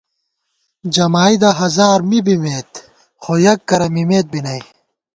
جمائیدہ ہزار می بِمېت، خو یَک کرہ مِمېت بی نئ